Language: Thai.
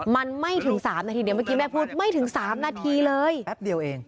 มันไม่ถึง๓นาทีเดี๋ยวเมื่อกี้แม่พูดไม่ถึง๓นาทีเลย